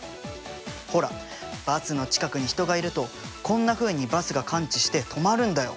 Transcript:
ほらバスの近くに人がいるとこんなふうにバスが感知して止まるんだよ。